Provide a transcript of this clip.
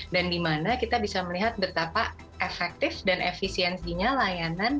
dan dimana kita bisa melihat betapa efektif dan efisiensinya layanan